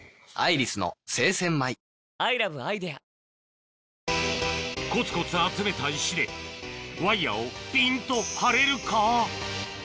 本麒麟コツコツ集めた石でワイヤをピンと張れるか？